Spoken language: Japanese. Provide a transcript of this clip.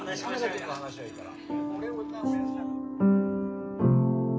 亀田君の話はいいから。